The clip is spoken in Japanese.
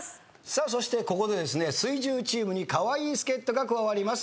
さあそしてここでですね水１０チームにカワイイ助っ人が加わります。